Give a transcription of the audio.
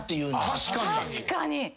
確かに！